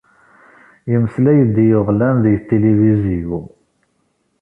Yemmeslay-d i uɣlan deg tilivizyu.